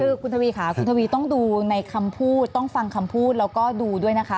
คือคุณทวีค่ะคุณทวีต้องดูในคำพูดต้องฟังคำพูดแล้วก็ดูด้วยนะคะ